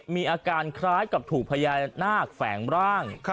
มีอาการคล้ายกับถูกพญานาคแฝงร่าง